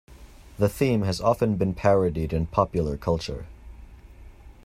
The theme has often been parodied in popular culture.